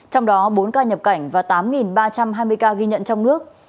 trong đó bốn ca nhập cảnh và tám ba trăm hai mươi ca ghi nhận trong nước